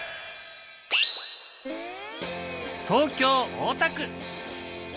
東京・大田区。